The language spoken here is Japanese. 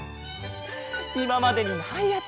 いままでにないあじだ！